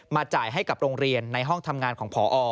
จ่ายให้กับโรงเรียนในห้องทำงานของพอ